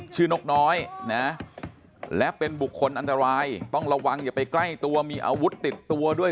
นกน้อยนะและเป็นบุคคลอันตรายต้องระวังอย่าไปใกล้ตัวมีอาวุธติดตัวด้วย